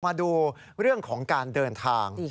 มาดูเรื่องของการเดินทาง